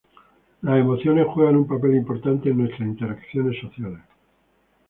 Las emociones juegan un papel importante en nuestras interacciones sociales.